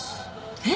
えっ？